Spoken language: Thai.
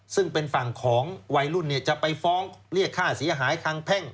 ซึ่งเป็นฝั่งของวัยรุ่นจะไปฟ้องเรียกค่าเสียหายทางแพ่ง